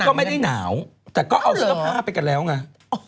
ก็ไม่ได้หนาวแต่ก็เอาเสื้อผ้าไปกันแล้วไง